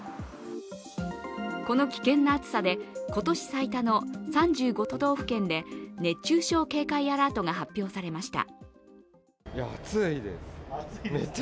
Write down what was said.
この危険な暑さで今年最多の３５都道府県で熱中症警戒アラートが発表されました。